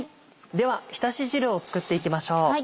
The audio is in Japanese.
ではひたし汁を作っていきましょう。